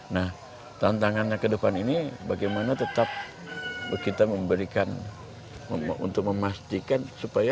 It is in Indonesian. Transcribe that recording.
nah tantangannya ke depan ini bagaimana tetap kita memberikan untuk memastikan supaya